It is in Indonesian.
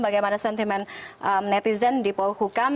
bagaimana sentimen netizen di polhukam